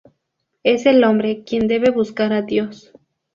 Es el hombre quien debe buscar a Dios.